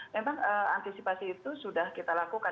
memang antisipasi itu sudah kita lakukan